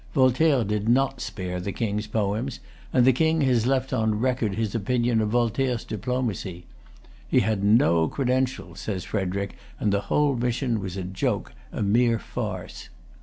Voltaire did not spare the King's poems; and the King has left on record his opinion of Voltaire's diplomacy. "He had no credentials," says Frederic, "and the whole mission was a joke, a mere farce."